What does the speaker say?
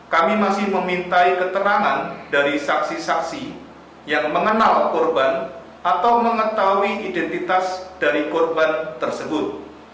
kami masih memintai keterangan dari saksi saksi yang mengenal korban atau mengetahui identitas dari korban tersebut